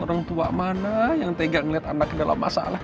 orang tua mana yang tega ngeliat anak dalam masalah